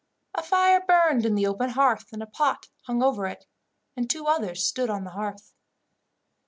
A fire burned in the open hearth, and a pot hung over it, and two others stood on the hearth.